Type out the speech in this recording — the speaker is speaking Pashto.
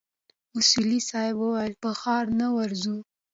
اصولي صیب وويل پر ښار نه ورځو.